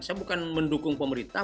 saya bukan mendukung pemerintah